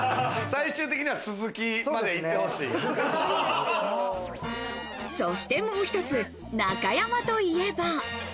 最終的にはスズキまで行ってそしてもう一つ、中山といえば。